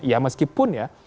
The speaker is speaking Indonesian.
ya meskipun ya